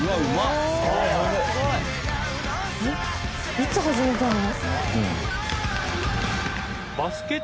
いつ始めたの？